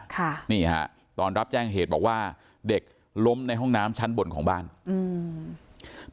ค่ะนี่ฮะตอนรับแจ้งเหตุบอกว่าเด็กล้มในห้องน้ำชั้นบนของบ้านอืม